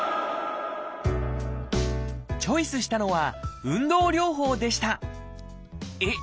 チョイスしたのはえっ？